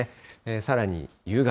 さらに夕方。